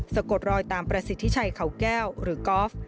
กดรอยตามประสิทธิชัยเขาแก้วหรือกอล์ฟ